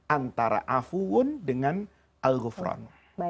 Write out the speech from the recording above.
antara afun dengan algofron